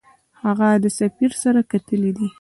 هغه د سفیر سره کتلي دي.